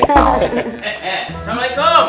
eh eh assalamualaikum